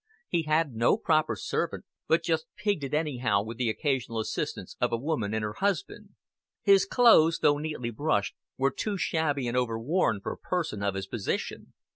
He had no proper servant, but just pigged it anyhow with the occasional assistance of a woman and her husband. His clothes, though neatly brushed, were too shabby and overworn for a person of his position.